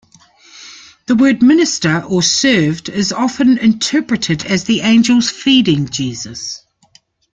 The word "minister" or "served" is often interpreted as the angels feeding Jesus.